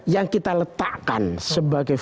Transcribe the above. yang kita letakkan sebagai